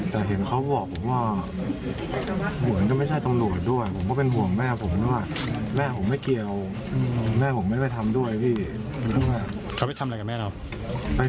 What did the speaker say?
ไปเคาะประตูห้องอะไรอย่างนี้